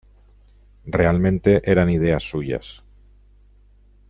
Realmente eran ideas suyas".